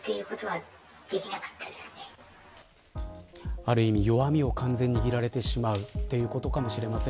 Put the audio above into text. ある意味、弱みを完全に握られてしまうということかもしれません。